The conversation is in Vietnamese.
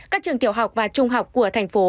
các trường tiểu học và trung học của thành phố